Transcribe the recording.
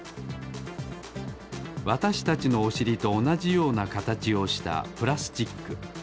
わたしたちのおしりとおなじようなかたちをしたプラスチック。